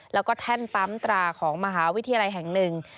แล้วก็แท่นปั๊มตราของมหาวิทยาลัยแห่งหนึ่ง